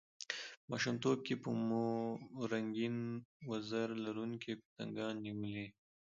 په ماشومتوب کښي به مو رنګین وزر لرونکي پتنګان نیولي يي!